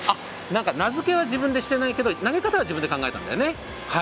名付けは自分でしてないけど投げ方は自分で考えたんだよね。